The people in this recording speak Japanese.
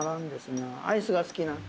アイスが好きなん？